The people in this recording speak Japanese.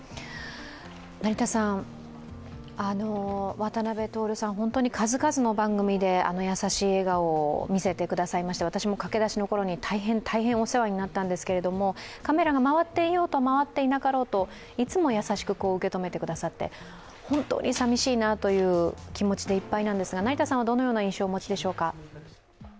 渡辺徹さん、本当に数々の番組で優しい笑顔を見せてくださいまして、私も駆け出しのころに大変大変お世話になったんですけれども、カメラが回っていようと、回っていなかろうといつも優しく受け止めてくださって、本当に寂しいなという気持ちでいっぱいなんですが成田さんはどのような印象をお持ちでしょうか？